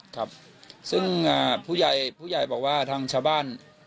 ครับซึ่งผู้ใหญ่ผู้ใหญ่บอกว่าทางชาวบ้าน